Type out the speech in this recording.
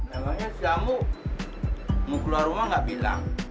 emangnya si ambo mau keluar rumah gak bilang